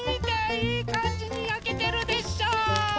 いいかんじにやけてるでしょう？